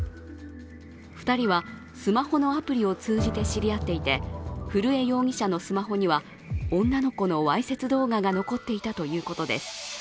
２人はスマホのアプリを通じて知り合っていて、古江容疑者のスマホには女の子のわいせつ動画が残っていたということです。